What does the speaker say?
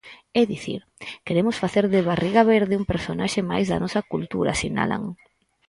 É dicir: queremos facer de Barriga Verde un personaxe máis da nosa cultura, sinalan.